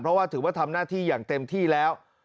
เพราะว่าถือว่าทำหน้าที่อย่างเต็มที่แล้ว